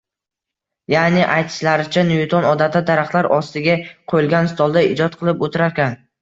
Ya`ni, aytishlaricha Nyuton odatda daraxtlar ostiga qo`yilgan stolda ijod qilib o`tirarkan